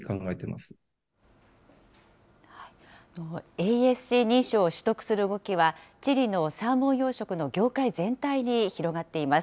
ＡＳＣ認証を取得する動きは、チリのサーモン養殖の業界全体に広がっています。